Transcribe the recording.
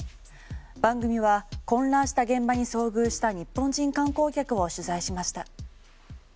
番組は混乱した現場に遭遇した日本人観光客を取材しました。